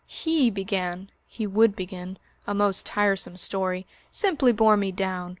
He began he would begin. A most tiresome story simply bore me down.